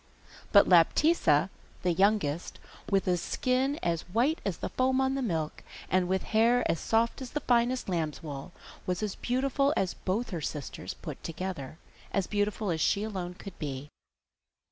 But Laptitza, the youngest, with a skin as white as the foam on the milk, and with hair as soft as the finest lamb's wool, was as beautiful as both her sisters put together as beautiful as she alone could be.